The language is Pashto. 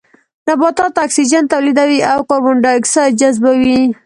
نباتات اکسيجن توليدوي او کاربن ډای اکسايد جذبوي